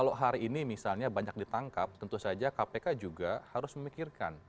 kalau hari ini misalnya banyak ditangkap tentu saja kpk juga harus memikirkan